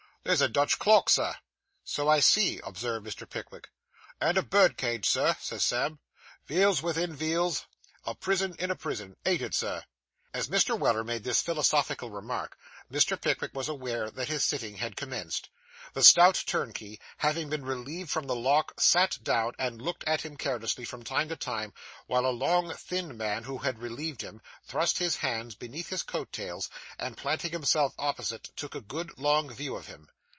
'There's a Dutch clock, sir.' 'So I see,' observed Mr. Pickwick. 'And a bird cage, sir,' says Sam. 'Veels vithin veels, a prison in a prison. Ain't it, Sir?' As Mr. Weller made this philosophical remark, Mr. Pickwick was aware that his sitting had commenced. The stout turnkey having been relieved from the lock, sat down, and looked at him carelessly, from time to time, while a long thin man who had relieved him, thrust his hands beneath his coat tails, and planting himself opposite, took a good long view of him.